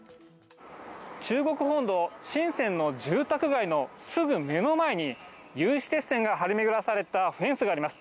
中国本土、深せんの住宅街のすぐ目の前に、有刺鉄線が張り巡らされたフェンスがあります。